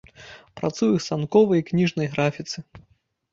Працуе ў станковай і кніжнай графіцы.